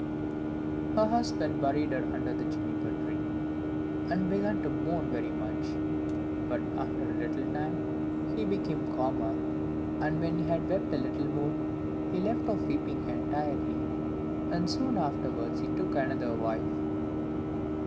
Her husband buried her under the Juniper tree, and began to mourn very much; but after a little time, he became calmer, and when he had wept a little more, he left off weeping entirely, and soon afterwards he took another wife.